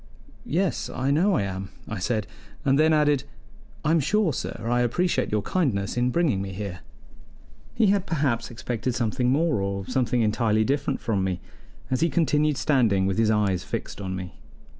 "Yes, I know I am," I said, and then added: "I'm sure, sir, I appreciate your kindness in bringing me here." He had perhaps expected something more or something entirely different from me, as he continued standing with his eyes fixed on me.